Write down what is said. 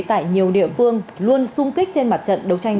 tại nhiều địa phương luôn sung kích trên mặt trận đấu tranh